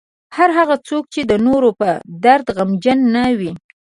هر هغه څوک چې د نورو په درد غمجن نه وي.